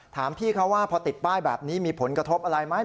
ถามพี่เขาว่าพอติดป้ายแบบนี้มีผลกระทบอะไรไหม